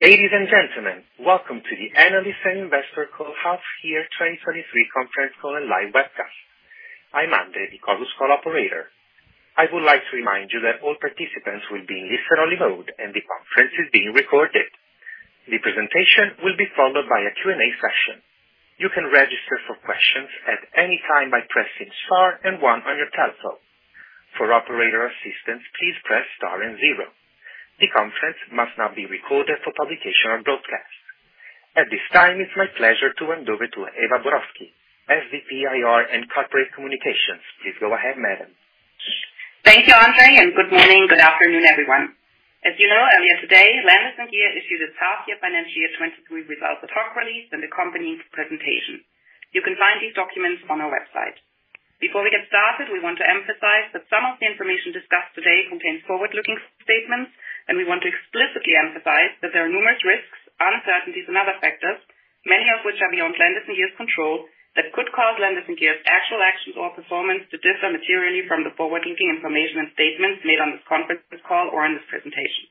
Ladies and gentlemen, welcome to the Analyst and Investor Call Half Year 2023 Conference Call and live webcast. I'm Andre, the call's call operator. I would like to remind you that all participants will be in listen-only mode, and the conference is being recorded. The presentation will be followed by a Q&A session. You can register for questions at any time by pressing star and one on your telephone. For operator assistance, please press star and zero. The conference must not be recorded for publication or broadcast. At this time, it's my pleasure to hand over to Eva Borowski, SVP, IR and Corporate Communications. Please go ahead, madam. Thank you, Andre, and good morning. Good afternoon, everyone. As you know, earlier today, Landis+Gyr issued its Half Year Financial Year 2023 Results, the press release, and the company's presentation. You can find these documents on our website. Before we get started, we want to emphasize that some of the information discussed today contains forward-looking statements, and we want to explicitly emphasize that there are numerous risks, uncertainties and other factors, many of which are beyond Landis+Gyr's control, that could cause Landis+Gyr's actual actions or performance to differ materially from the forward-looking information and statements made on this conference call or in this presentation.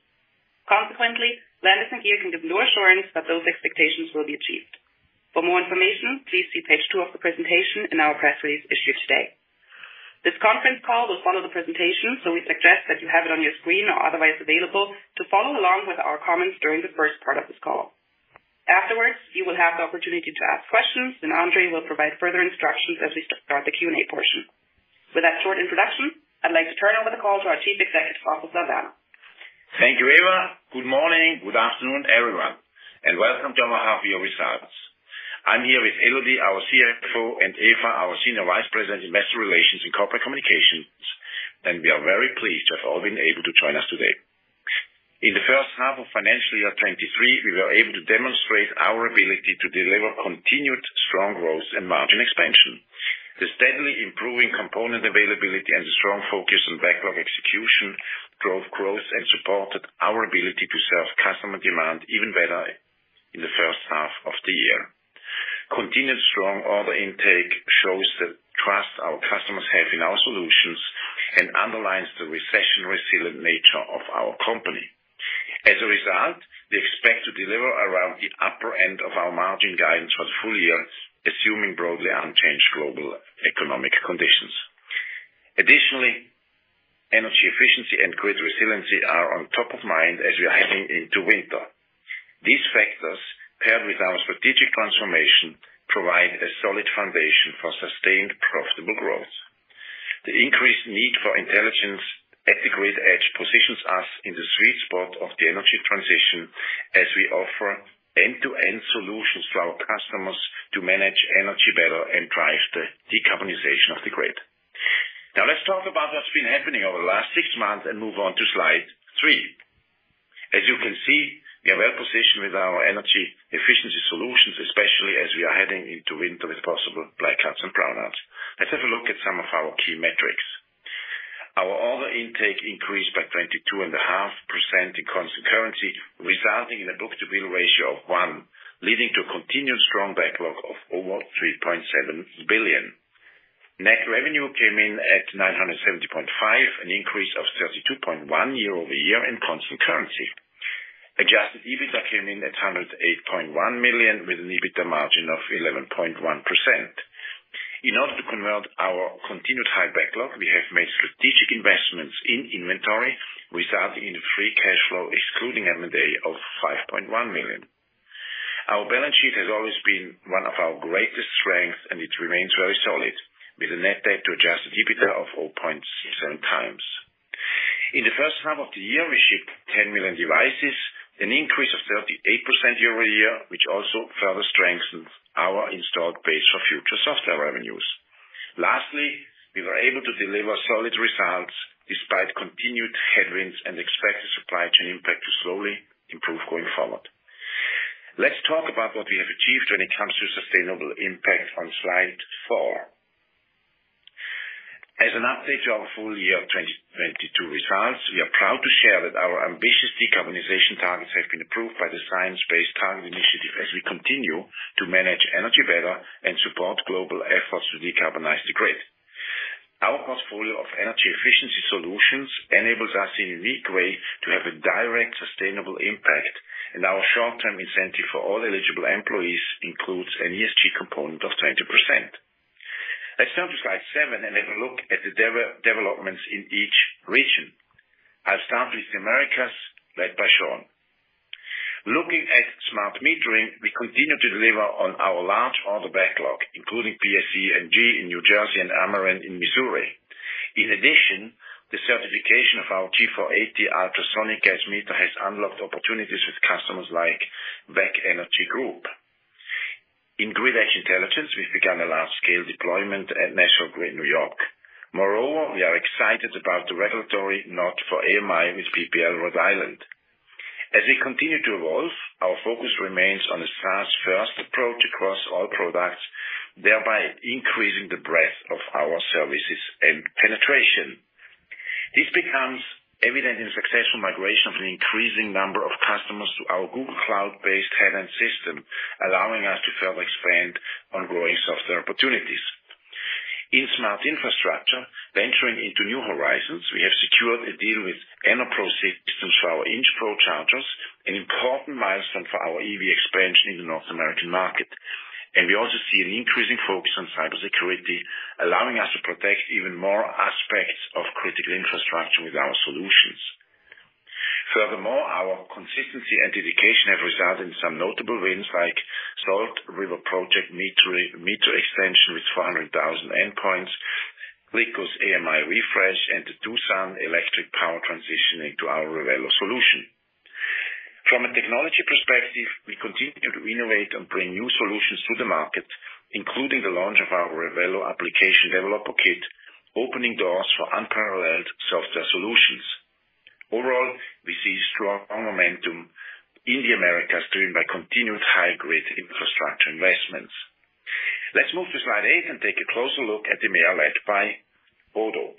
Consequently, Landis+Gyr can give no assurance that those expectations will be achieved. For more information, please see page two of the presentation in our press release issued today. This conference call will follow the presentation, so we suggest that you have it on your screen or otherwise available to follow along with our comments during the first part of this call. Afterwards, you will have the opportunity to ask questions, and Andre will provide further instructions as we start the Q&A portion. With that short introduction, I'd like to turn over the call to our Chief Executive Officer, Werner. Thank you, Eva. Good morning. Good afternoon, everyone, and welcome to our half year results. I'm here with Elodie, our CFO, and Eva, our Senior Vice President, Investor Relations and Corporate Communications, and we are very pleased you have all been able to join us today. In the first half of financial year 2023, we were able to demonstrate our ability to deliver continued strong growth and margin expansion. The steadily improving component availability and the strong focus on backlog execution drove growth and supported our ability to serve customer demand even better in the first half of the year. Continued strong order intake shows the trust our customers have in our solutions and underlines the recession-resilient nature of our company. As a result, we expect to deliver around the upper end of our margin guidance for the full year, assuming broadly unchanged global economic conditions. Additionally, energy efficiency and grid resiliency are on top of mind as we are heading into winter. These factors, paired with our strategic transformation, provide a solid foundation for sustained, profitable growth. The increased need for intelligence at the grid edge positions us in the sweet spot of the energy transition as we offer end-to-end solutions for our customers to manage energy better and drive the decarbonization of the grid. Now, let's talk about what's been happening over the last 6 months and move on to slide 3. As you can see, we are well positioned with our energy efficiency solutions, especially as we are heading into winter with possible blackouts and brownouts. Let's have a look at some of our key metrics. Our order intake increased by 22.5% in constant currency, resulting in a book-to-bill ratio of 1, leading to a continued strong backlog of over $3.7 billion. Net revenue came in at $970.5 million, an increase of 32.1% year-over-year in constant currency. Adjusted EBITDA came in at $108.1 million, with an EBITDA margin of 11.1%. In order to convert our continued high backlog, we have made strategic investments in inventory, resulting in free cash flow excluding M&A of $5.1 million. Our balance sheet has always been one of our greatest strengths, and it remains very solid, with a net debt to adjusted EBITDA of 4.7 times. In the first half of the year, we shipped 10 million devices, an increase of 38% year-over-year, which also further strengthens our installed base for future software revenues. Lastly, we were able to deliver solid results despite continued headwinds and expect the supply chain impact to slowly improve going forward. Let's talk about what we have achieved when it comes to sustainable impact on slide four. As an update to our full year of 2022 results, we are proud to share that our ambitious decarbonization targets have been approved by the Science Based Targets initiative as we continue to manage energy better and support global efforts to decarbonize the grid. Our portfolio of energy efficiency solutions enables us in a unique way to have a direct, sustainable impact, and our short-term incentive for all eligible employees includes an ESG component of 20%. Let's turn to slide seven and have a look at the developments in each region. I'll start with the Americas, led by Sean. Looking at smart metering, we continue to deliver on our large order backlog, including PSE&G in New Jersey and Ameren in Missouri. In addition, the certification of our G480 ultrasonic gas meter has unlocked opportunities with customers like WEC Energy Group. In Grid Edge Intelligence, we've begun a large-scale deployment at National Grid, New York. Moreover, we are excited about the regulatory nod for AMI with PPL Rhode Island. As we continue to evolve, our focus remains on a SaaS first approach across all products, thereby increasing the breadth of our services and penetration. This becomes evident in successful migration of an increasing number of customers to our Google Cloud-based Headend system, allowing us to further expand on growing software opportunities. In smart infrastructure, venturing into new horizons, we have secured a deal with EnerPro Systems for our INCH chargers, an important milestone for our EV expansion in the North American market. We also see an increasing focus on cybersecurity, allowing us to protect even more aspects of critical infrastructure with our solutions. Furthermore, our consistency and dedication have resulted in some notable wins, like Salt River Project meter extension with 400,000 endpoints, Likos AMI refresh, and the Doosan electric power transition into our Revelo solution. From a technology perspective, we continue to innovate and bring new solutions to the market, including the launch of our Revelo application developer kit, opening doors for unparalleled software solutions. Overall, we see strong momentum in the Americas, driven by continued high grid infrastructure investments. Let's move to slide 8 and take a closer look at EMEA, led by Bodo.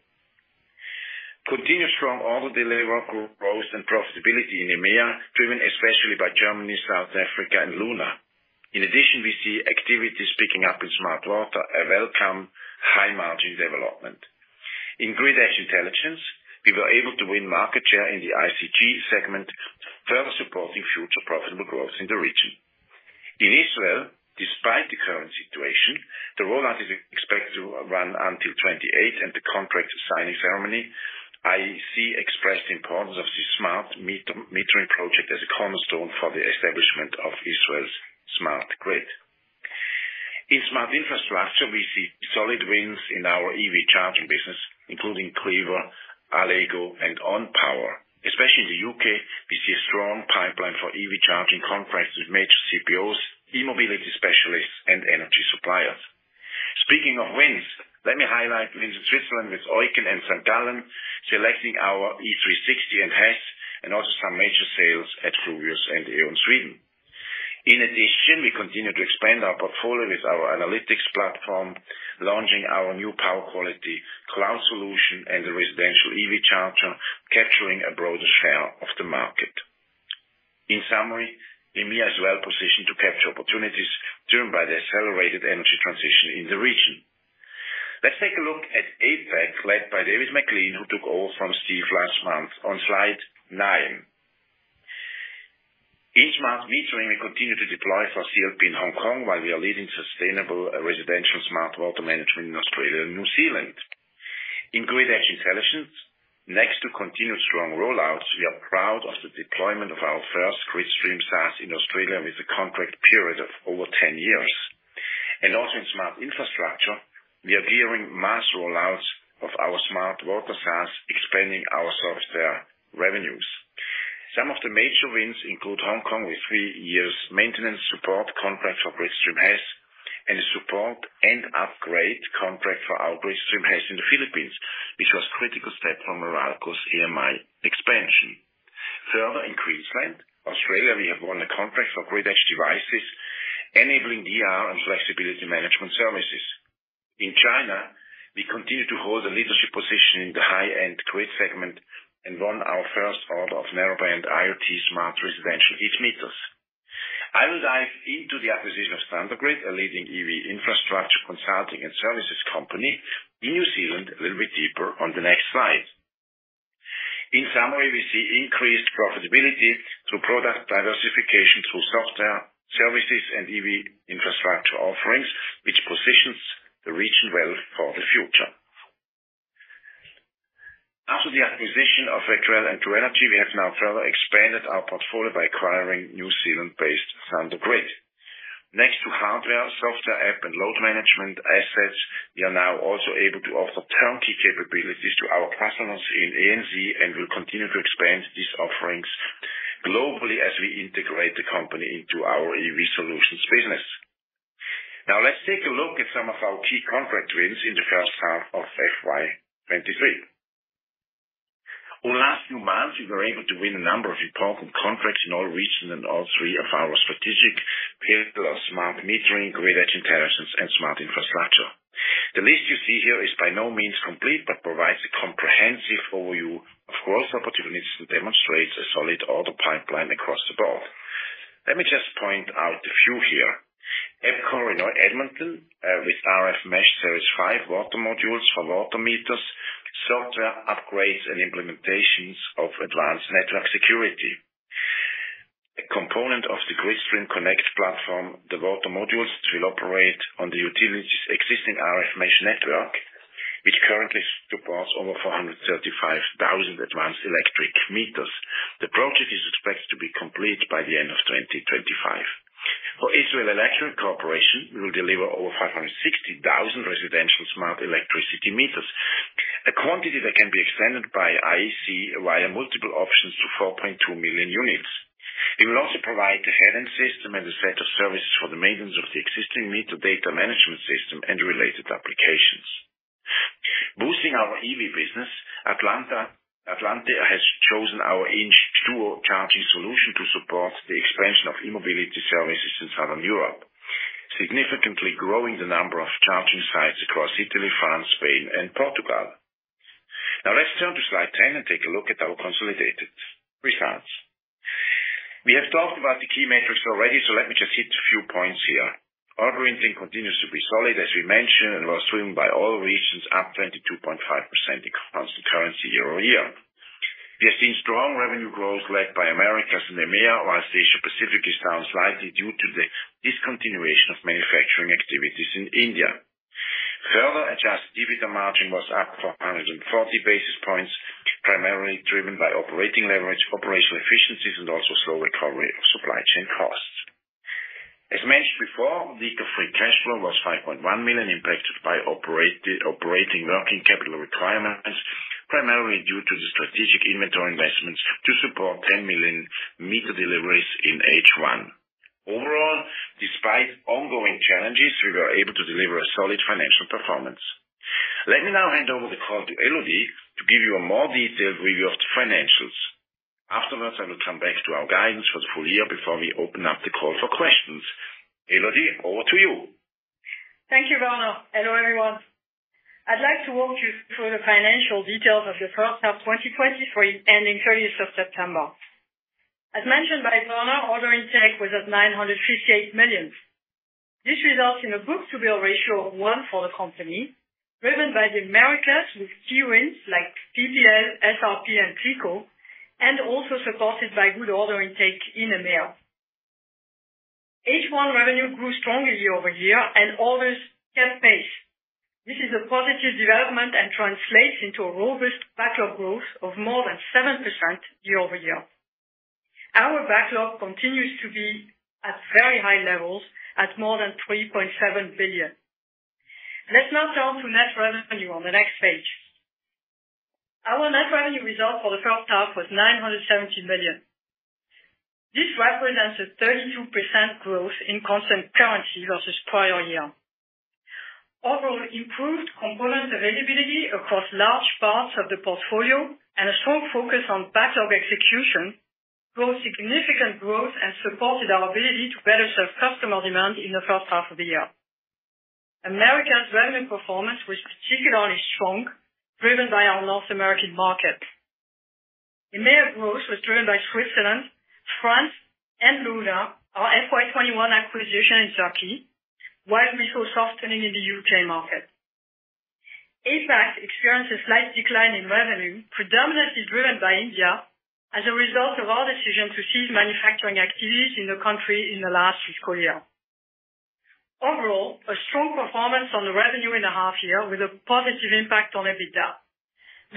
Continuous strong order delivery, growth, and profitability in EMEA, driven especially by Germany, South Africa, and Luna. In addition, we see activities picking up in smart water, a welcome high-margin development. In Grid Edge Intelligence, we were able to win market share in the ICG segment, further supporting future profitable growth in the region. In Israel, despite the current situation, the rollout is expected to run until 2028, and the contract signing ceremony, IEC expressed the importance of this smart metering project as a cornerstone for the establishment of Israel's smart grid. In smart infrastructure, we see solid wins in our EV charging business, including Clever, Allego, and OnPower. Especially in the U.K., we see a strong pipeline for EV charging contracts with major CPOs, eMobility specialists, and energy suppliers. Speaking of wins, let me highlight wins in Switzerland, with Oiken and St. Gallen. Gallen, selecting our E360 and HES, and also some major sales at Fluvius and here in Sweden. In addition, we continue to expand our portfolio with our analytics platform, launching our new power quality cloud solution and the residential EV charger, capturing a broader share of the market. In summary, EMEA is well positioned to capture opportunities driven by the accelerated energy transition in the region. Let's take a look at APAC, led by David McLean, who took over from Steve last month on slide 9. In smart metering, we continue to deploy for CLP in Hong Kong, while we are leading sustainable residential smart water management in Australia and New Zealand. In Grid Edge Intelligence, next to continued strong rollouts, we are proud of the deployment of our first Gridstream SaaS in Australia, with a contract period of over 10 years. Also in smart infrastructure, we are gearing mass rollouts of our smart water SaaS, expanding our software revenues. Some of the major wins include Hong Kong, with three years maintenance support contract for Gridstream HES, and a support and upgrade contract for our Gridstream HES in the Philippines, which was critical step for Meralco's AMI expansion. Further, in Queensland, Australia, we have won a contract for Grid Edge devices, enabling DR and flexibility management services. In China, we continue to hold a leadership position in the high-end grid segment and won our first order of narrowband IoT smart residential heat meters. I will dive into the acquisition of Thundergrid, a leading EV Infrastructure Consulting and Services company in New Zealand, a little bit deeper on the next slide. In summary, we see increased profitability through product diversification, through software, services, and EV infrastructure offerings, which positions the region well for the future. After the acquisition of Etrel and True Energy, we have now further expanded our portfolio by acquiring New Zealand-based Thundergrid. Next to hardware, software app, and load management assets, we are now also able to offer turnkey capabilities to our customers in ANZ, and we'll continue to expand these offerings globally as we integrate the company into our EV solutions business. Now, let's take a look at some of our key contract wins in the first half of FY 23. Over the last few months, we were able to win a number of important contracts in all regions and all three of our strategic pillars: Smart Metering, Grid Edge Intelligence, and Smart Infrastructure. The list you see here is by no means complete, but provides a comprehensive overview of growth opportunities and demonstrates a solid order pipeline across the board. Let me just point out a few here. EPCOR in Edmonton with RF mesh Series 5 water modules for water meters, software upgrades, and implementations of advanced network security. A component of the Gridstream Connect platform, the water modules will operate on the utility's existing RF mesh network, which currently supports over 435,000 advanced electric meters. The project is expected to be complete by the end of 2025. For Israel Electric Corporation, we will deliver over 560,000 residential smart electricity meters, a quantity that can be extended by IEC via multiple options to 4.2 million units. It will also provide a head-end system and a set of services for the maintenance of the existing meter data management system and related applications. Boosting our EV business, Atlantia has chosen our intec charging solution to support the expansion of e-mobility services in Southern Europe, significantly growing the number of charging sites across Italy, France, Spain, and Portugal. Now, let's turn to slide 10 and take a look at our consolidated results. We have talked about the key metrics already, so let me just hit a few points here. Order intake continues to be solid, as we mentioned, and was driven by all regions, up 22.5% in constant currency year-over-year. We have seen strong revenue growth led by Americas and EMEA, while Asia Pacific is down slightly due to the discontinuation of manufacturing activities in India. Further, adjusted EBITDA margin was up 440 basis points, primarily driven by operating leverage, operational efficiencies and also slow recovery of supply chain costs. As mentioned before, the free cash flow was $5.1 million, impacted by operating working capital requirements, primarily due to the strategic inventory investments to support 10 million meter deliveries in H1. Overall, despite ongoing challenges, we were able to deliver a solid financial performance. Let me now hand over the call to Elodie to give you a more detailed review of the financials. Afterwards, I will come back to our guidance for the full year before we open up the call for questions. Elodie, over to you. Thank you, Werner. Hello, everyone. I'd like to walk you through the financial details of the first half 2023 ending 30 September. As mentioned by Werner, order intake was at $958 million. This results in a book-to-bill ratio of 1 for the company, driven by the Americas, with key wins like PPL, SRP and PECO, and also supported by good order intake in EMEA. H1 revenue grew strongly year-over-year and orders kept pace. This is a positive development and translates into a robust backlog growth of more than 7% year-over-year. Our backlog continues to be at very high levels, at more than $3.7 billion. Let's now turn to net revenue on the next page. Our net revenue result for the first half was $970 million. This represents a 32% growth in constant currency versus prior year. Overall, improved component availability across large parts of the portfolio and a strong focus on backlog execution, drove significant growth and supported our ability to better serve customer demand in the first half of the year. Americas revenue performance was particularly strong, driven by our North American market. EMEA growth was driven by Switzerland, France and Luna, our FY 2021 acquisition in Turkey, while we saw softening in the U.K. market. APAC experienced a slight decline in revenue, predominantly driven by India, as a result of our decision to cease manufacturing activities in the country in the last fiscal year. Overall, a strong performance on the revenue in the half year, with a positive impact on EBITDA.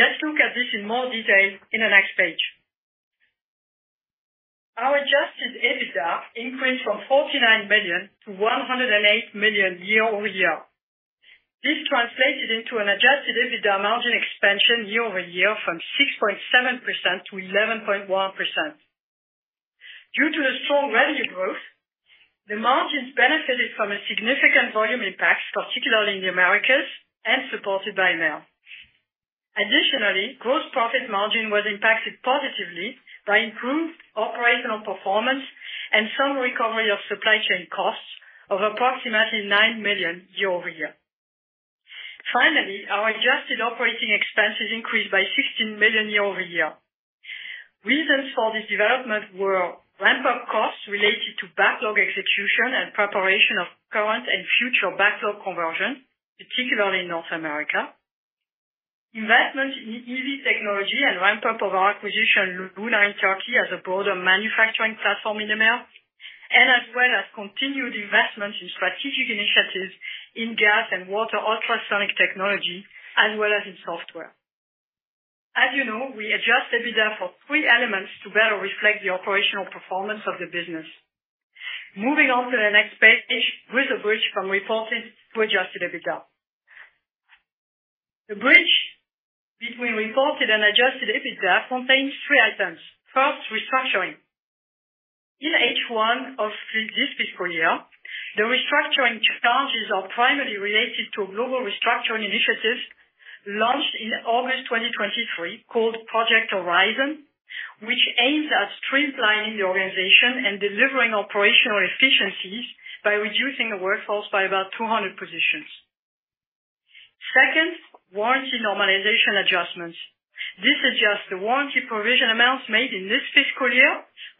Let's look at this in more detail in the next page. Our adjusted EBITDA increased from $49 million-$108 million year-over-year. This translated into an adjusted EBITDA margin expansion year-over-year from 6.7%-11.1%. Due to the strong revenue growth, the margins benefited from a significant volume impact, particularly in the Americas and supported by EMEA. Additionally, gross profit margin was impacted positively by improved operational performance and some recovery of supply chain costs of approximately $9 million year-over-year. Finally, our adjusted operating expenses increased by $16 million year-over-year. Reasons for this development were ramp-up costs related to backlog execution and preparation of current and future backlog conversion, particularly in North America. Investment in EV technology and ramp-up of our acquisition, Luna in Turkey, as a broader manufacturing platform in EMEA, and as well as continued investments in strategic initiatives in gas and water, ultrasonic technology, as well as in software. As you know, we adjust EBITDA for three elements to better reflect the operational performance of the business. Moving on to the next page with a bridge from reported to adjusted EBITDA. The bridge between reported and adjusted EBITDA contains three items. First, restructuring. In H1 of this fiscal year, the restructuring charges are primarily related to global restructuring initiatives launched in August 2023, called Project Horizon, which aims at streamlining the organization and delivering operational efficiencies by reducing the workforce by about 200 positions. Second, warranty normalization adjustments. This adjusts the warranty provision amounts made in this fiscal year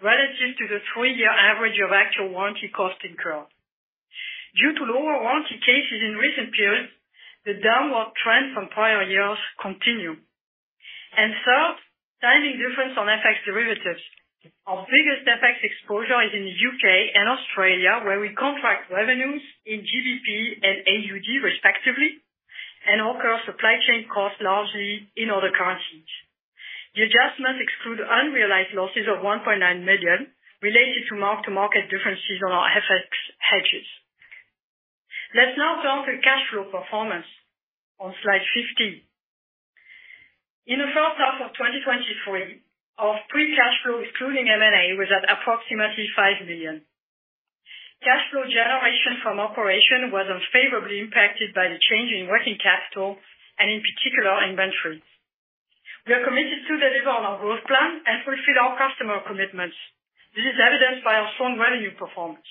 relative to the three-year average of actual warranty costs incurred. Due to lower warranty cases in recent periods, the downward trend from prior years continue. And third, timing difference on FX derivatives. Our biggest FX exposure is in the U.K. and Australia, where we contract revenues in GBP and AUD respectively, and incur supply chain costs largely in other currencies. The adjustments exclude unrealized losses of $1.9 million related to mark-to-market differences on our FX hedges. Let's now turn to cash flow performance on slide 15. In the first half of 2023, our free cash flow, excluding M&A, was at approximately $5 million. Cash flow generation from operation was unfavorably impacted by the change in working capital and in particular, inventory. We are committed to deliver on our growth plan and fulfill our customer commitments. This is evidenced by our strong revenue performance.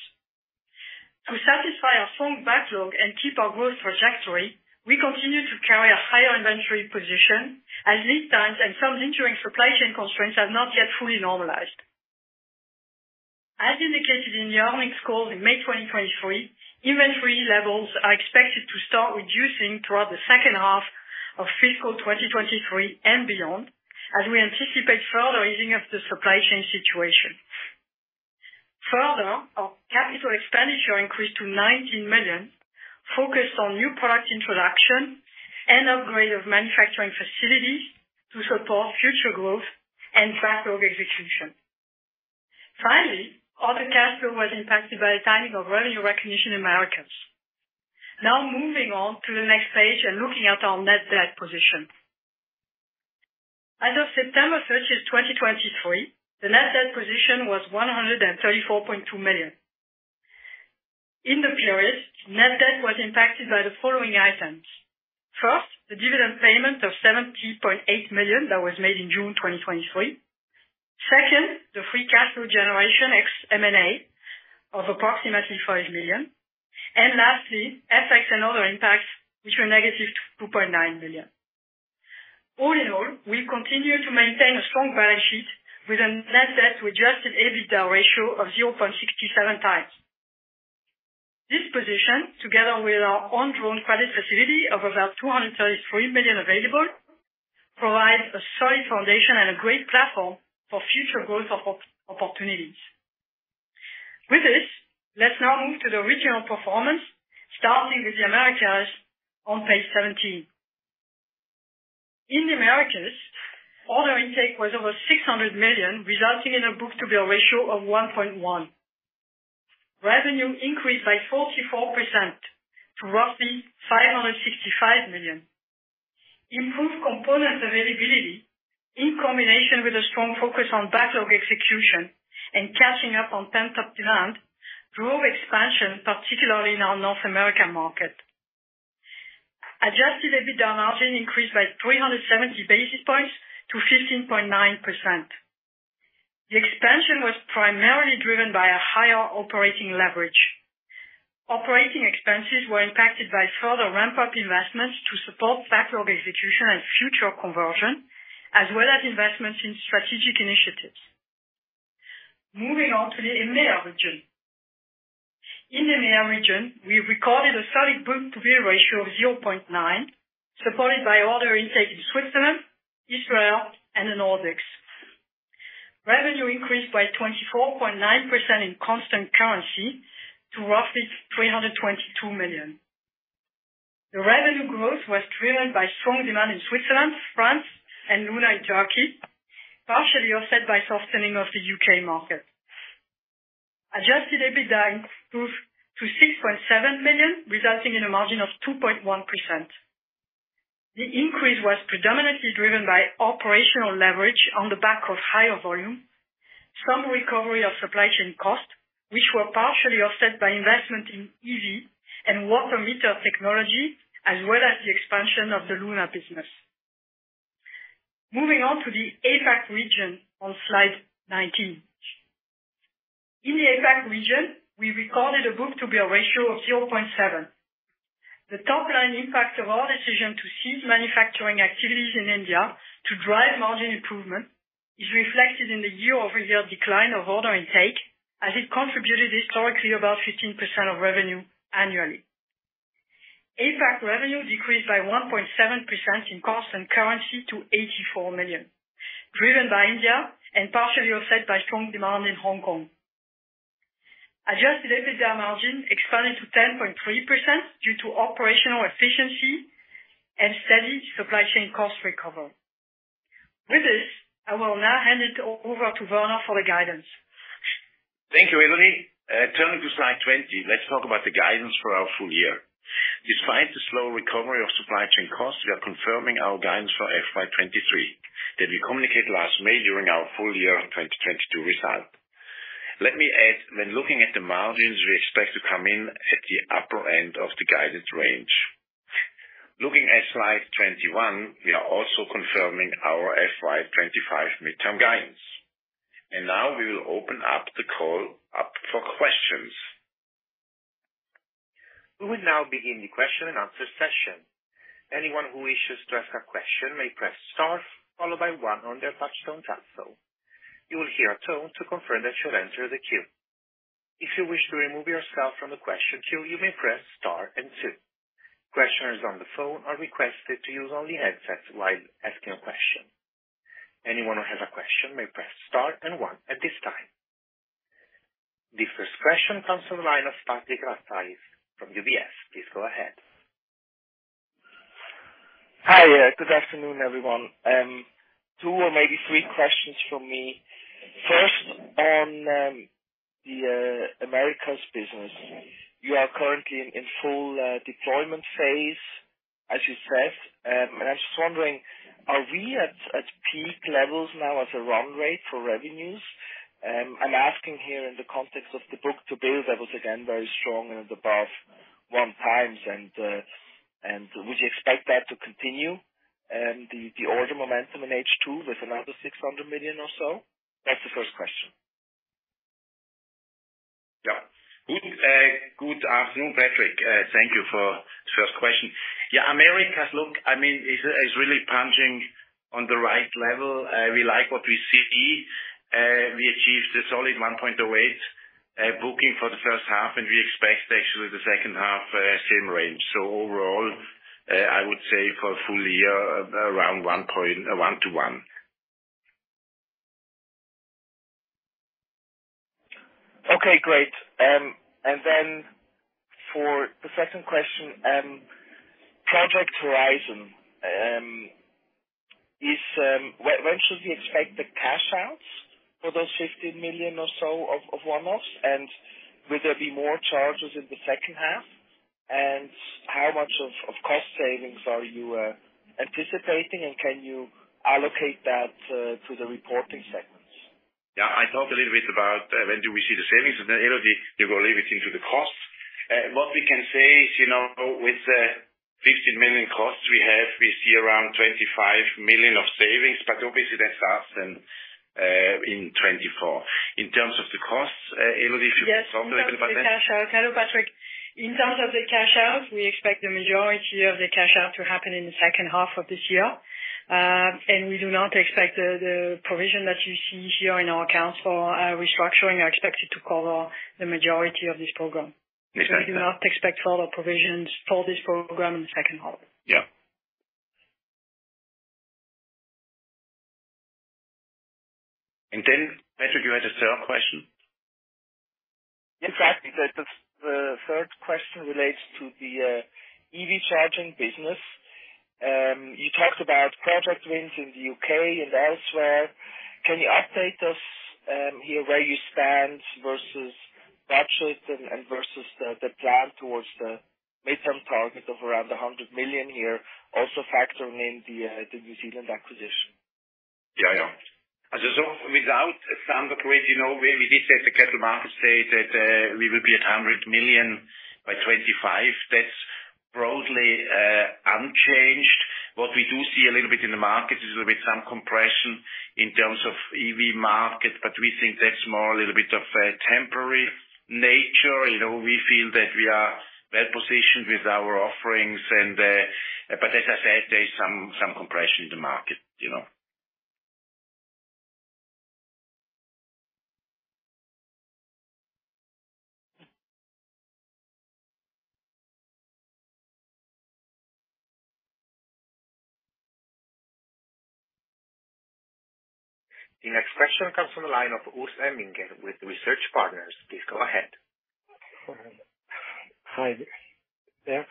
To satisfy our strong backlog and keep our growth trajectory, we continue to carry a higher inventory position as lead times and some lingering supply chain constraints have not yet fully normalized. As indicated in the earnings call in May 2023, inventory levels are expected to start reducing throughout the second half of fiscal 2023 and beyond, as we anticipate further easing of the supply chain situation. Further, our capital expenditure increased to $19 million, focused on new product introduction and upgrade of manufacturing facilities to support future growth and backlog execution. Finally, order cash flow was impacted by the timing of revenue recognition in Americas. Now moving on to the next page and looking at our net debt position. As of September 30, 2023, the net debt position was $134.2 million. In the period, net debt was impacted by the following items. First, the dividend payment of $70.8 million that was made in June 2023. Second, the free cash flow generation ex M&A of approximately $5 million. Lastly, FX and other impacts, which were -$2.9 million. All in all, we continue to maintain a strong balance sheet with a net debt to adjusted EBITDA ratio of 0.67 times. This position, together with our undrawn credit facility of about $233 million available, provides a solid foundation and a great platform for future growth opportunities. With this, let's now move to the regional performance, starting with the Americas on page 17. In the Americas, order intake was over $600 million, resulting in a book-to-bill ratio of 1.1. Revenue increased by 44% to roughly $565 million. Improved component availability, in combination with a strong focus on backlog execution and catching up on pent-up demand, drove expansion, particularly in our North American market. Adjusted EBITDA margin increased by 370 basis points to 15.9%. The expansion was primarily driven by a higher operating leverage. Operating expenses were impacted by further ramp-up investments to support backlog execution and future conversion, as well as investments in strategic initiatives. Moving on to the EMEA region. In the EMEA region, we recorded a solid book-to-bill ratio of 0.9, supported by order intake in Switzerland, Israel, and the Nordics. Revenue increased by 24.9% in constant currency to roughly $322 million. The revenue growth was driven by strong demand in Switzerland, France, and Luna in Turkey, partially offset by softening of the U.K. market. Adjusted EBITDA improved to $6.7 million, resulting in a margin of 2.1%. The increase was predominantly driven by operational leverage on the back of higher volume, some recovery of supply chain costs, which were partially offset by investment in EV and water meter technology, as well as the expansion of the Luna business. Moving on to the APAC region on slide 19. In the APAC region, we recorded a book-to-bill ratio of 0.7. The top line impact of our decision to cease manufacturing activities in India to drive margin improvement is reflected in the year-over-year decline of order intake, as it contributed historically about 15% of revenue annually. APAC revenue decreased by 1.7% in constant currency to $84 million, driven by India and partially offset by strong demand in Hong Kong. Adjusted EBITDA margin expanded to 10.3% due to operational efficiency and steady supply chain cost recovery. With this, I will now hand it over to Werner for the guidance. Thank you, Elodie. Turning to slide 20, let's talk about the guidance for our full year. Despite the slow recovery of supply chain costs, we are confirming our guidance for FY 2023, that we communicated last May during our full year 2022 result. Let me add, when looking at the margins, we expect to come in at the upper end of the guidance range. Looking at slide 21, we are also confirming our FY 2025 midterm guidance. And now we will open up the call up for questions. We will now begin the question and answer session. Anyone who wishes to ask a question may press star, followed by one on their touch-tone telephone. You will hear a tone to confirm that you have entered the queue. If you wish to remove yourself from the question queue, you may press star and two. Questioners on the phone are requested to use only headsets while asking a question. Anyone who has a question may press star and one at this time. The first question comes from the line of Patrick Rafaisz from UBS. Please go ahead. Hi, good afternoon, everyone. Two or maybe three questions from me. First, on the Americas business. You are currently in full deployment phase, as you said. And I'm just wondering, are we at peak levels now as a run rate for revenues? I'm asking here in the context of the book to bill that was again very strong and above one times, and would you expect that to continue, and the order momentum in H2 with another $600 million or so? That's the first question. Yeah. Good, good afternoon, Patrick. Thank you for the first question. Yeah, Americas, look, I mean, is really punching on the right level. We like what we see. We achieved a solid 1.08 booking for the first half, and we expect actually the second half, same range. So overall, I would say for full year, around 1.1-1. Okay, great. And then for the second question, Project Horizon, when should we expect the cash outs for those $15 million or so of one-offs? And will there be more charges in the second half? And how much of cost savings are you anticipating, and can you allocate that to the reporting segments? Yeah, I talked a little bit about when do we see the savings, and then Elodie, you go a little bit into the costs. What we can say is, you know, with the $15 million costs we have, we see around $25 million of savings, but obviously, that starts in 2024. In terms of the costs, Elodie, if you can talk a little about that. Yes. Hello, Patrick. In terms of the cash outs, we expect the majority of the cash out to happen in the second half of this year. And we do not expect the provision that you see here in our accounts for restructuring are expected to cover the majority of this program. Exactly. We do not expect further provisions for this program in the second half. Yeah. And then, Patrick, you had a third question? Yes, actually, the third question relates to the EV charging business. You talked about project wins in the U.K. and elsewhere. Can you update us here, where you stand versus budget and versus the plan towards the midterm target of around $100 million here, also factoring in the New Zealand acquisition? Yeah, yeah. So without Thundergrid, you know, we, we did say at the Capital Markets Day that we will be at $100 million by 2025. That's broadly unchanged. What we do see a little bit in the market is a little bit some compression in terms of EV market, but we think that's more a little bit of a temporary nature. You know, we feel that we are well positioned with our offerings, and, but as I said, there's some, some compression in the market, you know. The next question comes from the line of Urs Emminger with Research Partners. Please go ahead. Hi there.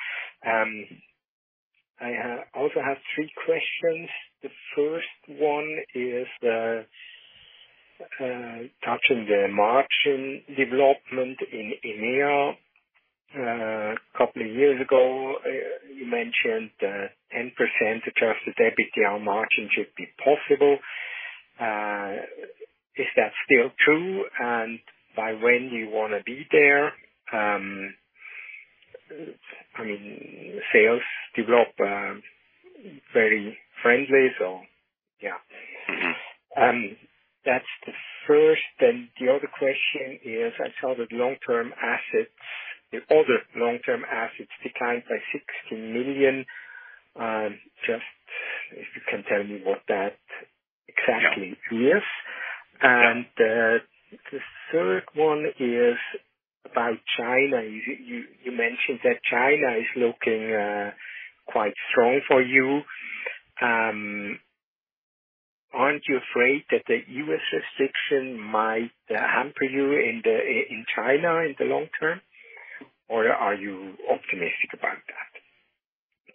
I also have three questions. The first one is touching the margin development in EMEA. Couple of years ago, you mentioned 10% adjusted EBITDA margin should be possible. Is that still true, and by when you want to be there? I mean, sales develop very friendly, so yeah. Mm-hmm. That's the first. Then the other question is, I saw that long-term assets, the other long-term assets, declined by $60 million. Just if you can tell me what that exactly is? Yeah. The third one is about China. You mentioned that China is looking quite strong for you. Aren't you afraid that the U.S. restriction might hamper you in China in the long term, or are you optimistic about that?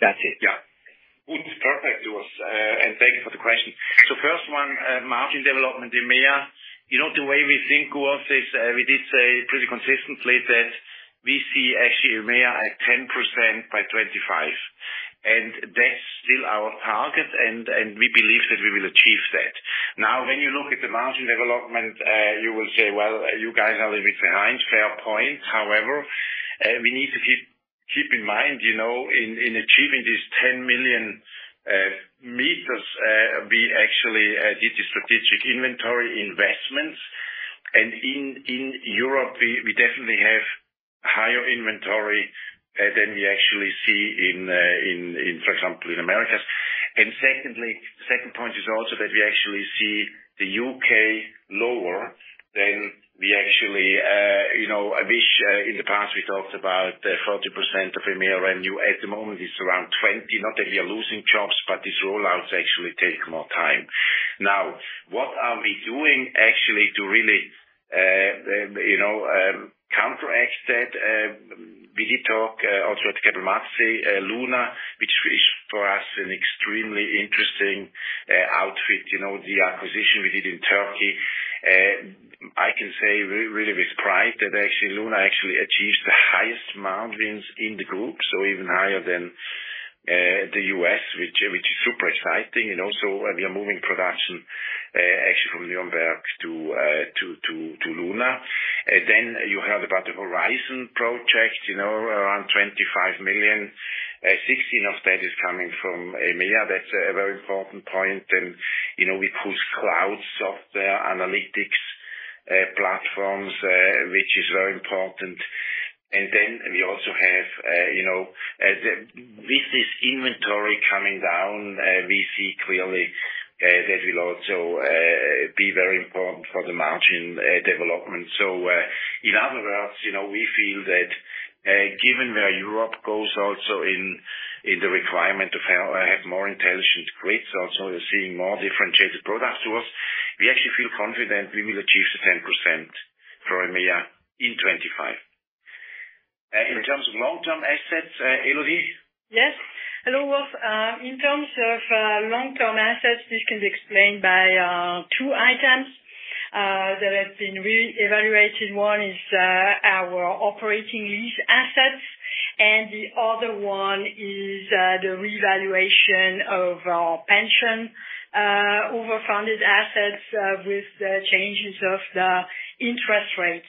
That's it. Yeah. Good. Perfect, Urs, and thank you for the question. So first one, margin development in EMEA. You know, the way we think, Urs, is, we did say pretty consistently that we see actually EMEA at 10% by 2025, and that's still our target, and we believe that we will achieve that. Now, when you look at the margin development, you will say, "Well, you guys are a bit behind." Fair point. However, we need to keep in mind, you know, in achieving these 10 million meters, we actually did the strategic inventory investments. And in Europe, we definitely have higher inventory than we actually see in, for example, in Americas. Secondly, second point is also that we actually see the U.K. lower than we actually, you know, I wish, in the past, we talked about 40% of EMEA revenue. At the moment, it's around 20%. Not that we are losing chops, but these rollouts actually take more time. Now, what are we doing actually to really, you know, counteract that? We did talk also at Capital Markets Day, Luna, which is for us, an extremely interesting outfit. You know, the acquisition we did in Turkey. I can say really with pride, that actually, Luna actually achieved the highest margins in the group—even higher than the U.S., which is super exciting. And also, we are moving production actually from Nuremberg to Luna. Then you heard about the Project Horizon, you know, around $25 million, 16 of that is coming from EMEA. That's a very important point. You know, we push cloud software, analytics, platforms, which is very important. Then we also have, you know, with this inventory coming down, we see clearly, that will also be very important for the margin, development. So, in other words, you know, we feel that, given where Europe goes also in the requirement to have more intelligent grids, also we're seeing more differentiated products to us. We actually feel confident we will achieve the 10% for EMEA in 2025. In terms of long-term assets, Elodie? Yes. Hello, Wolf. In terms of long-term assets, this can be explained by two items that have been re-evaluated. One is our operating lease assets, and the other one is the revaluation of our pension overfunded assets with the changes of the interest rates.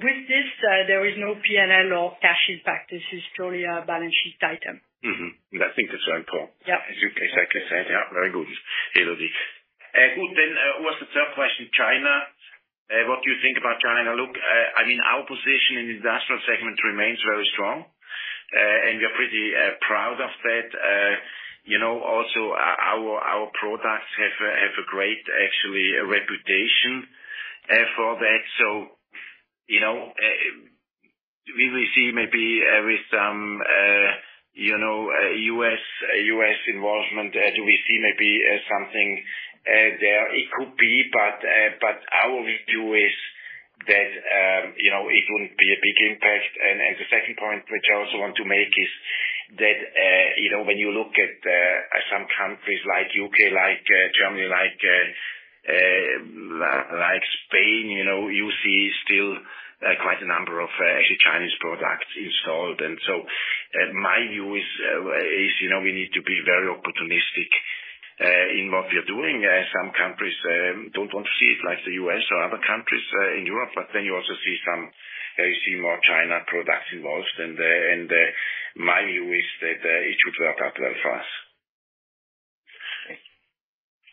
With this, there is no P&L or cash impact. This is purely a balance sheet item. Mm-hmm. And I think that's very important. Yeah. Exactly said. Yeah, very good, Elodie. Good. Then, what's the third question? China. What do you think about China? Look, I mean, our position in the industrial segment remains very strong, and we are pretty proud of that. You know, also our, our products have a, have a great, actually, reputation for that. So, you know, we will see maybe, with some, you know, U.S., U.S. involvement, do we see maybe, something there? It could be, but, but our view is that, you know, it wouldn't be a big impact. The second point, which I also want to make, is that, you know, when you look at some countries like U.K., like Germany, like Spain, you know, you see still quite a number of actually Chinese products installed. And so, my view is, you know, we need to be very opportunistic in what we are doing. Some countries don't want to see it, like the U.S. or other countries in Europe, but then you also see some, you see more China products involved, and my view is that it should work out well for us.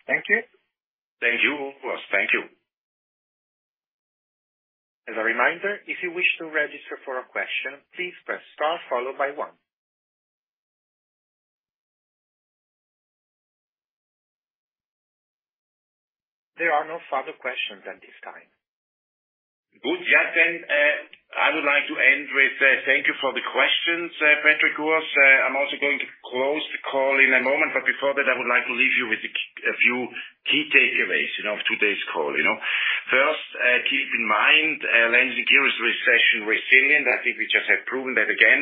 Thank you. Thank you, Urs. Thank you. As a reminder, if you wish to register for a question, please press star followed by one. There are no further questions at this time. Good. Yeah, then I would like to end with thank you for the questions, Patrick, who was. I'm also going to close the call in a moment, but before that, I would like to leave you with a few key takeaways, you know, of today's call, you know. First, keep in mind Landis+Gyr Group is recession resilient. I think we just have proven that again,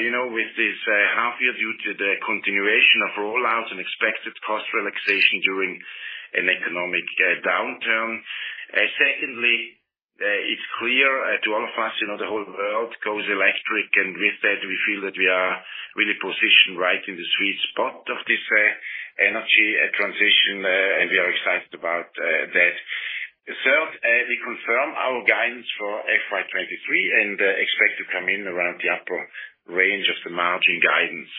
you know, with this half year due to the continuation of rollouts and expected cost relaxation during an economic downturn. Secondly, it's clear to all of us, you know, the whole world goes electric, and with that, we feel that we are really positioned right in the sweet spot of this energy transition, and we are excited about that. Third, we confirm our guidance for FY 2023 and expect to come in around the upper range of the margin guidance.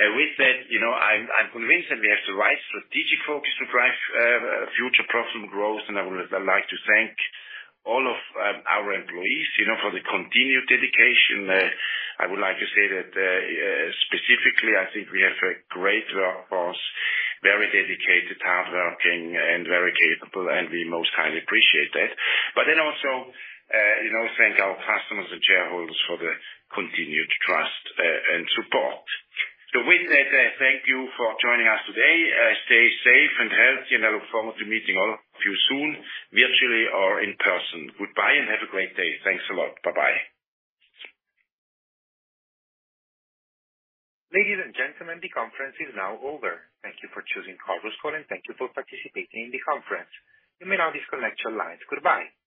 And with that, you know, I'm convinced that we have the right strategic focus to drive future profitable growth, and I'd like to thank all of our employees, you know, for the continued dedication. I would like to say that specifically, I think we have a great workforce, very dedicated, hard-working, and very capable, and we most highly appreciate that. But then also, you know, thank our customers and shareholders for the continued trust and support. So with that, thank you for joining us today. Stay safe and healthy, and I look forward to meeting all of you soon, virtually or in person. Goodbye, and have a great day. Thanks a lot. Bye-bye. Ladies and gentlemen, the conference is now over. Thank you for choosing Conference Call, and thank you for participating in the conference. You may now disconnect your lines. Goodbye.